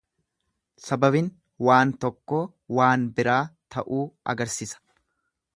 Sababin waan tokkoo waan biraa ta'uu agarsisa.